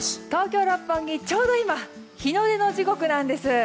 東京・六本木、ちょうど今日の出の時刻なんです。